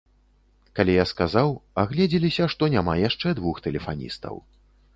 Калі я сказаў, агледзеліся, што няма яшчэ двух тэлефаністаў.